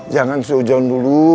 jangan seujau dulu